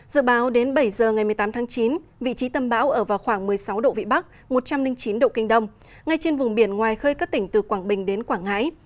dự báo đến bảy giờ ngày một mươi tám tháng chín vị trí tâm bão ở vào khoảng một mươi sáu độ vĩ bắc một trăm linh chín độ kinh đông ngay trên vùng biển ngoài khơi các tỉnh từ quảng bình đến quảng ngãi